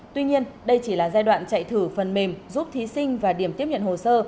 tuy nhiên đây chỉ là giai đoạn chạy thử phần mềm giúp thí sinh và điểm tiếp nhận hồ sơ